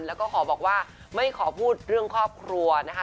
แล้วก็ขอบอกว่าไม่ขอพูดเรื่องครอบครัวนะคะ